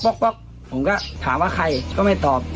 ผมก็ถามว่าใครก็ไม่ตอบ